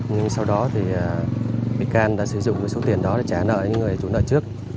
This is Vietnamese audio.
nhưng sau đó thì bị can đã sử dụng cái số tiền đó để trả nợ những người chủ nợ trước